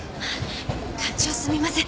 課長すみません。